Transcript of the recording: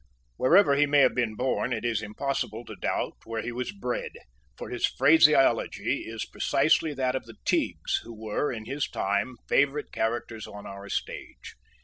Wherever he may have been born, it is impossible to doubt where he was bred; for his phraseology is precisely that of the Teagues who were, in his time, favourite characters on our stage.